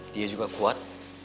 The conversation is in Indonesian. dia juga kuat